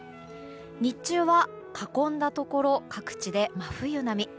日中は囲んだところ各地で真冬並み。